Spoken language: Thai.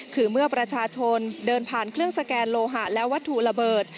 คือเมื่อประชาชนเดินผ่านเครื่องสแกนโลหะและวัตถุระเบิด